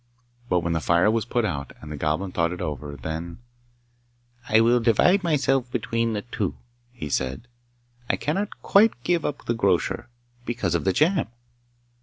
But when the fire was put out, and the Goblin thought it over then 'I will divide myself between the two,' he said. 'I cannot quite give up the grocer, because of the jam!